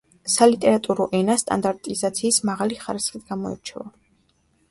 სალიტერატურო ენა სტანდარტიზაციის მაღალი ხარისხით გამოირჩევა.